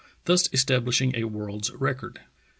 thus establishing a world's record.